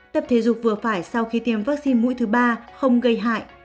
tập thể dục vừa phải sau khi tiêm vaccine mũi thứ ba không gây hại